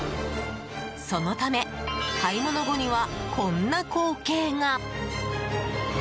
そのため、買い物後にはこんな光景が。